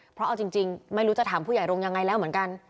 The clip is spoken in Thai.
เพราะเอาจริงไม่รู้จะถามผู้ใหญ่โรงยังไงแล้วเหมือนกัน